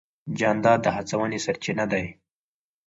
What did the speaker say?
جانداد د هڅونې سرچینه دی.